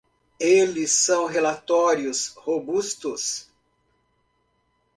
Eles são relatórios robustos.